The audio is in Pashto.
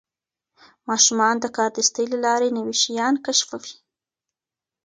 ماشومان د کاردستي له لارې نوي شیان کشفوي.